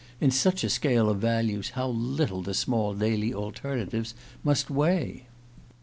In such a scale of values how little the small daily alternatives must weigh!